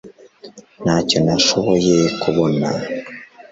Ntacyo nashoboye kubona